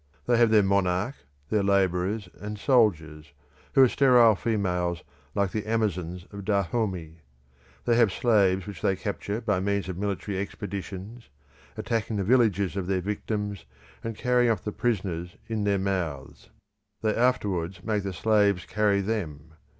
They have their monarch, their labourers, and soldiers, who are sterile females like the Amazons of Dahomey. They have slaves which they capture by means of military expeditions, attacking the villages of their victims and carrying off the prisoners in their mouths. They afterwards make the slaves carry them.